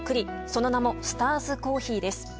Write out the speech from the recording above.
その名もスターズ・コーヒーです。